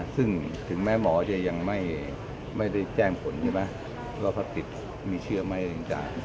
ซึ่งถึงแม้หมอจะยังไม่ได้แจ้งผลถ้าติดมีเชื่อไม่จริงจัก